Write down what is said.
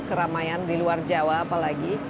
keramaian di luar jawa apalagi